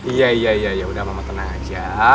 iya iya udah mama tenang aja